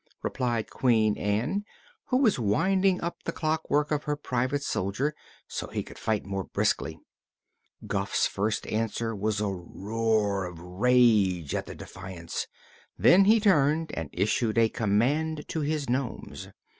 replied Queen Ann, who was winding up the clockwork of her Private Soldier, so he could fight more briskly. Guph's first answer was a roar of rage at the defiance; then he turned and issued a command to his nomes.